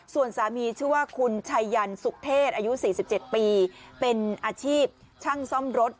ส่วนสามีชื่อว่าคุณชัยยันสุขเทศอายุ๔๗ปีเป็นอาชีพช่างซ่อมรถ